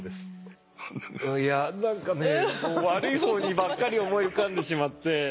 いや何かね悪い方にばっかり思い浮かんでしまって。